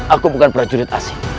aku bukan prajurit asli